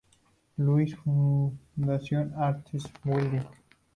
Louis Fundación Arts Building.